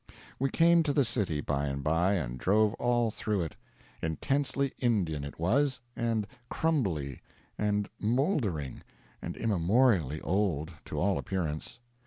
We came to the city, by and by, and drove all through it. Intensely Indian, it was, and crumbly, and mouldering, and immemorially old, to all appearance.